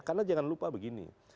karena jangan lupa begini